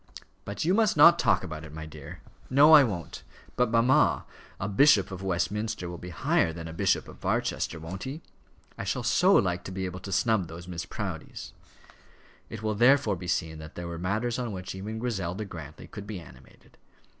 "But you must not talk about it, my dear." "No, I won't. But, mamma, a Bishop of Westminster will be higher than a Bishop of Barchester; won't he? I shall so like to be able to snub those Miss Proudies." It will therefore be seen that there were matters on which even Griselda Grantly could be animated.